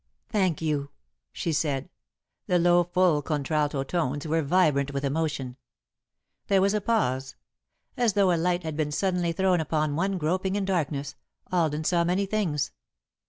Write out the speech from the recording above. "Thank you," she said. The low, full contralto tones were vibrant with emotion. There was a pause. As though a light had been suddenly thrown upon one groping in darkness, Alden saw many things.